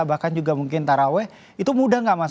bahkan juga mungkin taraweh itu mudah nggak mas